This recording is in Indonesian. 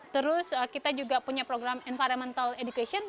terus kita juga punya program environmental education